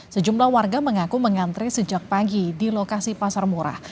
sejumlah warga mengaku mengantri sejak pagi di lokasi pasar murah